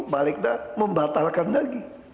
balik dah membatalkan lagi